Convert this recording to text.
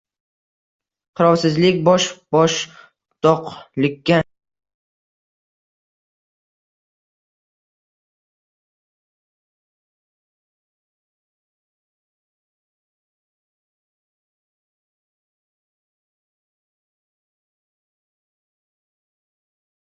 Itning g‘ingshib hovlidagilarni uyg‘otdi